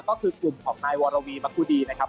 ก็คือกลุ่มของนายวรวีมะกูดีนะครับ